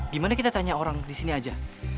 gimana kita tanya orang di sini aja